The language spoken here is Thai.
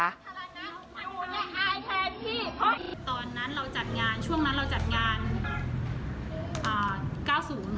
ได้ไอให้แทนพี่